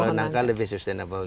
kalau nangka lebih sustainable